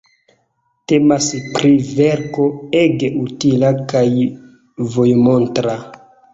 Temas pri verko ege utila kaj vojmontra.